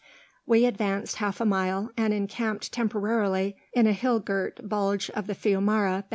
We advanced half a mile, and encamped temporarily in a hill girt bulge of the fiumara bed.